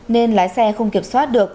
nên lái xe không kiểm soát được